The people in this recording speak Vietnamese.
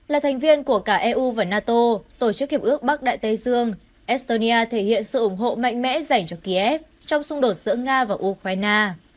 là thành viên của cả eu và nato tổ chức hiệp ước bắc đại tây dương estonia thể hiện sự ủng hộ mạnh mẽ dành cho kiev trong xung đột giữa nga và ukraine